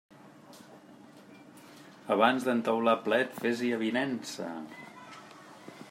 Abans d'entaular plet, fes-hi avinença.